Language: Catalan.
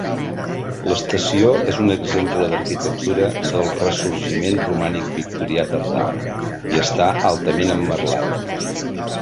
L'estació és un exemple d'arquitectura del ressorgiment romànic victorià tardà i està altament emmerlada.